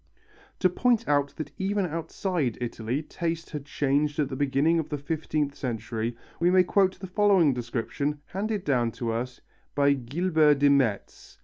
To point out that even outside Italy taste had changed at the beginning of the 15th century, we may quote the following description handed down to us by Guillebert de Metz.